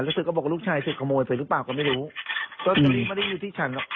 รู้สึกว่าลูกชายสุดขโมยไปหรือเปล่าก็ไม่รู้ลอตเตอรี่ไม่ได้อยู่ที่ฉันหรอก